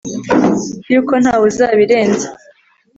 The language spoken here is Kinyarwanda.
Yuko ntawe uzabirenza